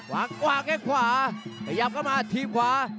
วางแค่ขวาขยับกลับมาทีมขวา